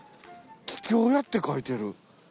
桔梗屋って書いてる。